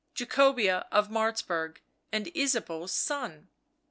Jacobea of Martzburg and Ysabeau's son.